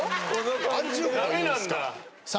さあ